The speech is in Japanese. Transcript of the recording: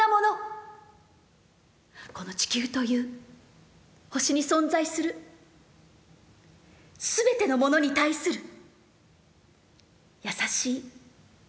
この地球という星に存在する全てのものに対する優しいまなざしとなるのでした。